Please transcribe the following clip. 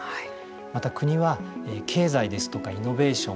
また国は、経済ですとかイノベーション